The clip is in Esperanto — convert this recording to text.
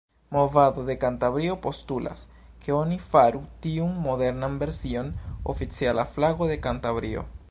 Movado en Kantabrio postulas, ke oni faru tiun modernan version oficiala flago de Kantabrio.